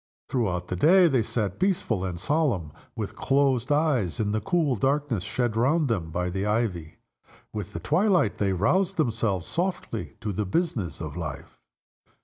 Throughout the day they sat peaceful and solemn, with closed eyes, in the cool darkness shed round them by the ivy. With the twilight they roused themselves softly to the business of life.